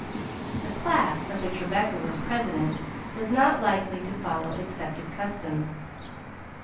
The class of which Rebecca was president was not likely to follow accepted customs.